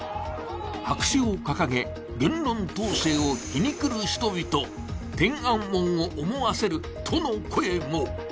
白紙を掲げ、言論統制を皮肉る人々天安門を思わせるとの声も。